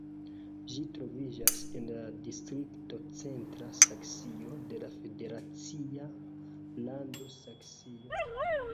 Ĝi troviĝas en la distrikto Centra Saksio de la federacia lando Saksio.